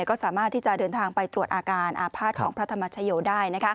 ก็สามารถที่จะเดินทางไปตรวจอาการอาภาษณ์ของพระธรรมชโยได้